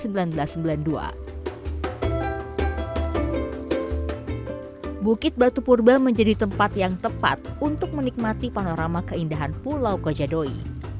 bukit batu purba menjadi tempat yang tepat untuk menikmati panorama keindahan pulau kojadoi